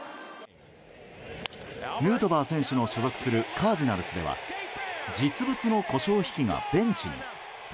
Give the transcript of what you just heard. ヌートバー選手の所属するカージナルスでは実物のコショウひきがベンチに。